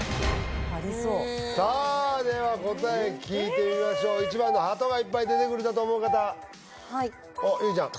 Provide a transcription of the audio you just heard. さあでは答え聞いてみましょう１番のハトがいっぱい出てくるだと思う方はいあっ結実ちゃん